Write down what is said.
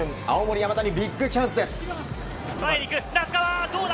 青森山田にビッグチャンスです。